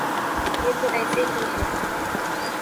یہ تو ایسے ہی ہے۔